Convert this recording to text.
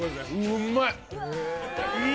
うまい。